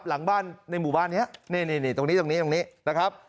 หลังบ้านในหมู่บ้านนี้นี่ตรงนี้ตรงนี้ตรงนี้นะครับ